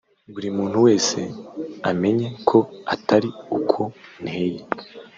buri muntu wese amenye ko atari uko nteye